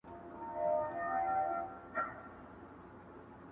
ومي د سترګو نګهبان لکه باڼه ملګري،